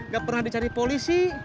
gak pernah dicari polisi